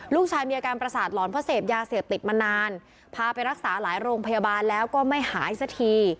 ลูกชายมีอาการประสาทหลอนเพราะเสพยาเสพติดมานานพาไปรักษาหลายโรงพยาบาลแล้วก็ไม่หายสักที